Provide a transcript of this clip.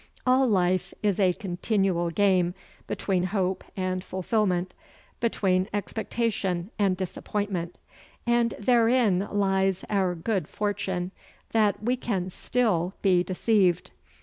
All life is a continual game between hope and fulfilment, between expectation and disappointment. And therein lies our good fortune that we can still be deceived.